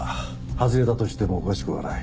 外れたとしてもおかしくはない。